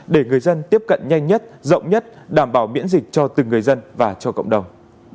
để người dân tiếp cận nhanh nhất rộng nhất đảm bảo miễn dịch cho từng người dân và cho cộng đồng